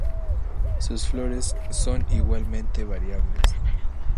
Sus flores son igualmente variables.